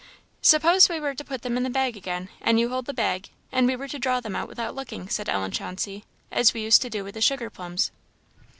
"Suppose we were to put them in the bag again, and you hold the bag, and we were to draw them out without looking," said Ellen Chauncey "as we used to do with the sugar plums."